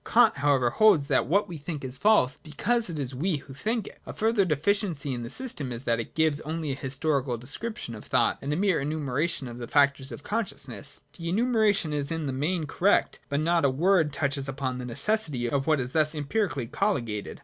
Kant however holds that what we think is false, because it is we who think it. A further deficiency in the system is that it gives only an historical description of thought, and a mere enumeration of the factors of conscious ness. The enumeration is in the main correct : but not a word touches upon the necessity of what is thus empirically colligated.